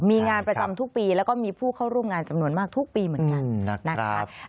มีงานประจำทุกปีแล้วก็มีผู้เข้าร่วมงานจำนวนมากทุกปีเหมือนกันนะครับ